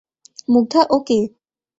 মুগ্ধা, ও কে?